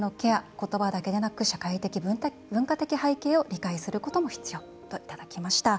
言葉だけでなく社会的、文化的背景を理解することも必要」といただきました。